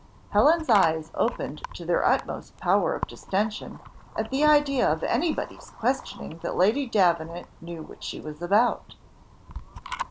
Helen's eyes opened to their utmost power of distension, at the idea of anybody's questioning that Lady Davenant knew what she was about.